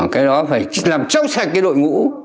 cái đó phải làm trông sạch cái đội ngũ